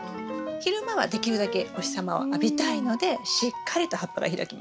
昼間はできるだけお日様を浴びたいのでしっかりと葉っぱが開きます。